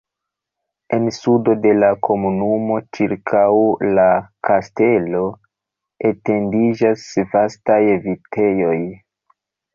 En sudo de la komunumo ĉirkaŭ la kastelo etendiĝas vastaj vitejoj.